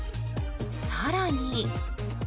更に。